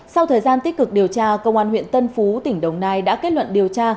sau thời gian tích cực điều tra công an huyện tân phú tỉnh đồng nai đã kết luận điều tra